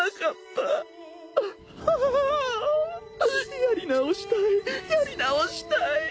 あああやり直したいやり直したい